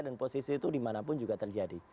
dan posisi itu dimanapun juga terjadi